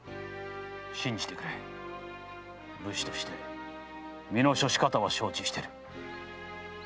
信じてくれ武士として身の処し方は承知している。